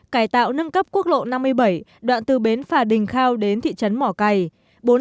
cải tạo nâng cấp quốc lộ năm mươi bảy đoạn từ bến phà đình khao đến thị trấn mỏ cầy